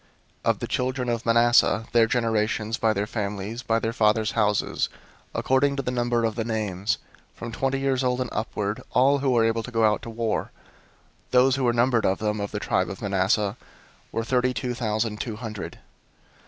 001:034 Of the children of Manasseh, their generations, by their families, by their fathers' houses, according to the number of the names, from twenty years old and upward, all who were able to go out to war; 001:035 those who were numbered of them, of the tribe of Manasseh, were thirty two thousand two hundred.